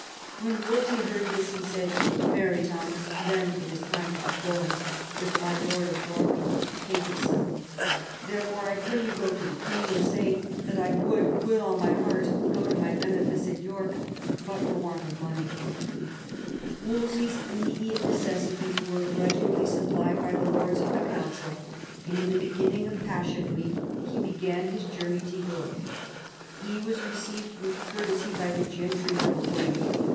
When Wolsey heard this he said, " Marry, Thomas, then it is time to be going, if my lord of Norfolk take it so. Therefore I pray you go to the king and say that I would with all my heart go to my benefice at York but for want of money." Wolsey's immediate necessities were grudgingly 194 THOMAS WOLSEY chap. supplied by the lords of the Council, and in the be ginning of Passion Week he began his journey to York. He was received with courtesy by the gentry on the way.